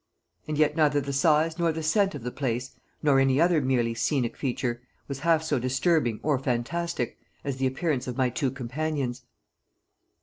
And yet neither the size nor the scent of the place, nor any other merely scenic feature, was half so disturbing or fantastic as the appearance of my two companions.